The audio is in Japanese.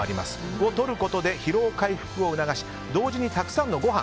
これをとることで疲労回復を促し同時にたくさんのご飯